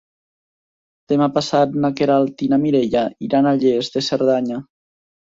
Demà passat na Queralt i na Mireia iran a Lles de Cerdanya.